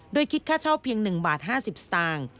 โดยคิดค่าเช่าเพียง๑บาท๕๐สตางค์